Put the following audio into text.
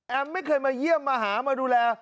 ไม่เคยมาเยี่ยมมาหามาดูแล